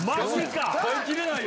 耐えきれないよ。